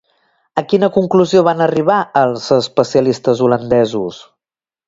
A quina conclusió van arribar els especialistes holandesos?